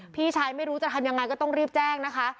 พี่ชายไม่รู้จะทำยังไงก็ต้องรีบแจ้งนะคะ